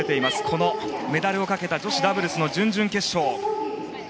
このメダルをかけた女子ダブルス準々決勝。